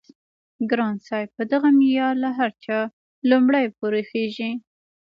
ګران صاحب په دغه معيار له هر چا وړومبی پوره خيژي